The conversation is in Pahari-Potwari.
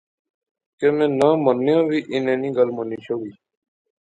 کہ میں ناں منیاں وی انیں نی گل منی شوڑی